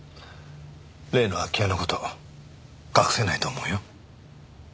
例の空き家の事隠せないと思うよ。